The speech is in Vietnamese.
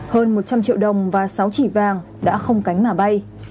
hơn một trăm linh triệu đồng và sáu chỉ vàng đã không cánh mà bay